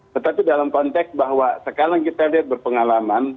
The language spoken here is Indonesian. tetapi dalam konteks bahwa sekarang kita lihat berpengalaman